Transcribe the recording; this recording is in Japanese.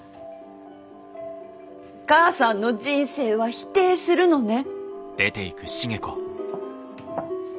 母さんの人生は否定するのね。